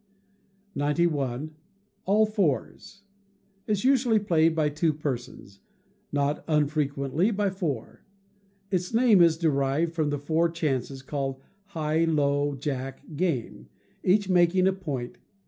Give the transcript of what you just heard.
91. All Fours is usually played by two persons; not unfrequently by four. Its name is derived from the four chances, called high, low, Jack, game, each making a point.